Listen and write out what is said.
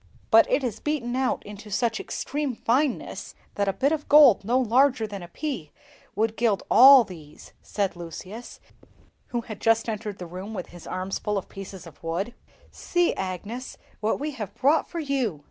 "But it is beaten out into such extreme fineness that a bit of gold no larger than a pea would gild all these," said Lucius, who had just entered the room with his arms full of pieces of wood. "See, Agnes, what we have brought for you!"